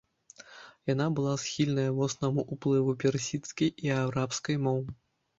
Яна была схільная моцнаму ўплыву персідскай і арабскай моў.